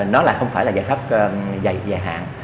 nó không phải là giải pháp dài hạn